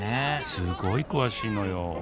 すごい詳しいのよ